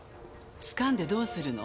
つかんでどうするの？